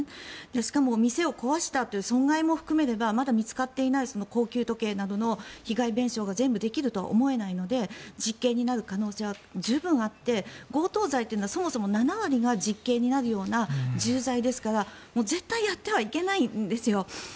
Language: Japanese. しかも店を壊した損害も含めればまだ見つかっていない高級時計などの実刑になる可能性は十分にあって強盗罪というのはそもそも７割が実刑になるような重罪ですから絶対やってはいけないんですよ。